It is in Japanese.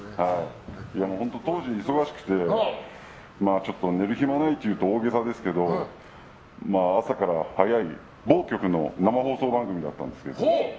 本当、当時忙しくてちょっと寝る暇ないって言うと大げさですけど朝から早い某局の生放送番組だったんです。